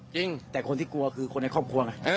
จริงแต่คนที่กลัวคือคนในครอบครัวไง